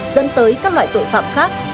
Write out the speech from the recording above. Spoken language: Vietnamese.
dẫn tới các loại tội phạm khác